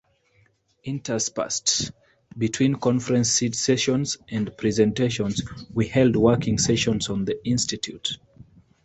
Interspersed between conference sessions and presentations, we held working sessions on the Institute.